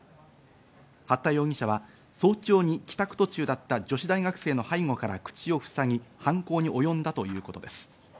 八田容疑者は早朝に帰宅途中だった女子大学生の背後から口をふさぎ犯行に及んだということです。